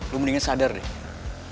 lu mendingan sadar deh